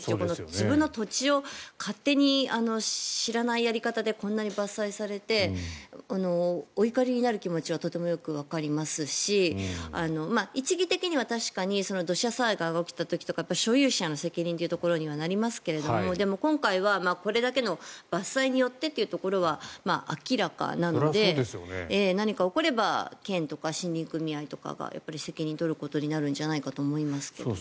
自分の土地を勝手に知らないやり方でこんなに伐採されてお怒りになる気持ちはとてもよくわかりますし一次的には確かに土砂災害が起きた時には所有者の責任というところにはなりますけどもでも今回はこれだけの伐採によってというところは明らかなので何か起これば県とか森林組合とかが責任を取ることになるんじゃないかと思いますが。